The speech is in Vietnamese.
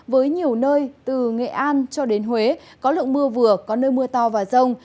với nhiều nơi từ nghệ an cho đến huế có lượng mưa vừa có nơi mưa to và rông